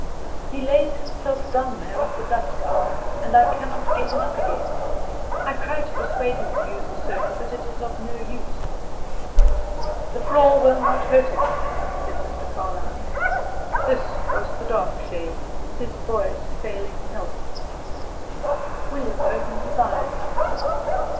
"He lays himself down there at the dusk hour, and I cannot get him up again. I try to persuade him to use the sofa, but it is of no use." "The floor will not hurt him," said Mr. Carlyle. This was the dark shade: his boy's failing health. William opened his eyes.